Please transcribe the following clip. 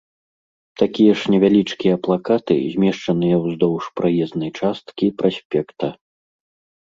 Такія ж невялічкія плакаты змешчаныя ўздоўж праезнай часткі праспекта.